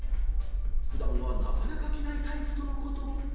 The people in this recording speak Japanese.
［普段はなかなか着ないタイプとのこと］